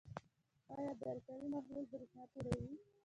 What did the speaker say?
آیا د القلي محلول برېښنا تیروي؟